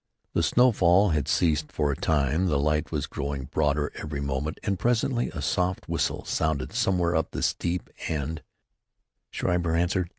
The snowfall had ceased for a time. The light was growing broader every moment, and presently a soft whistle sounded somewhere up the steep, and Schreiber answered.